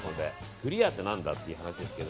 クリアって何だって話ですけど。